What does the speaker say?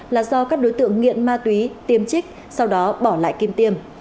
là do các đối tượng nghiện ma túy tiêm trích sau đó bỏ lại kim tiêm